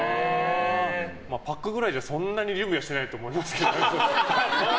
パックぐらいじゃそんなに準備してないと思いますけど。